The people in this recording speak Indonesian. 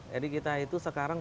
jadi kita itu sekarang